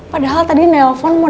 padahal tadi nelpon sama kamu